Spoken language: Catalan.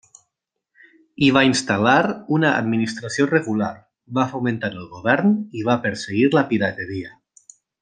Hi va instal·lar una administració regular, va fomentar el govern i va perseguir la pirateria.